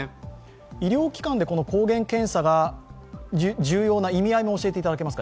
医療機関で抗原検査が重要な意味合いを教えていただけますか？